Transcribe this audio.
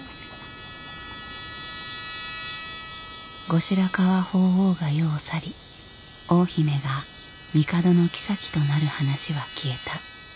後白河法皇が世を去り大姫が帝の后となる話は消えた。